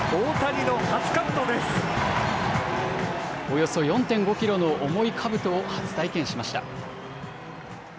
およそ４．５キロの重いかぶとを初体験しました。